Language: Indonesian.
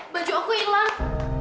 baju aku hilang